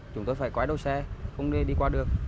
chúng tôi phải quái đấu xe không đi qua được